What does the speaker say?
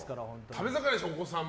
食べ盛りでしょ、お子さん。